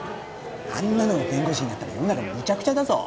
あんなのが弁護士になったら世の中むちゃくちゃだぞ